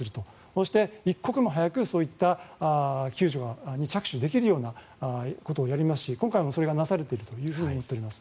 そして一刻も早く救助に着手できるようなことをやりますし今回もそれがなされているとみています。